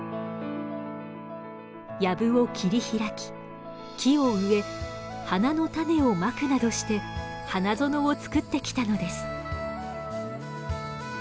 やぶを切り開き木を植え花の種をまくなどして花園を作ってきたのです。